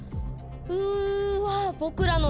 うわ。